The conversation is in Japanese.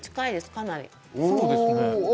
かなり。